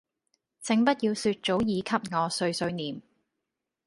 請不要說早已給我碎碎唸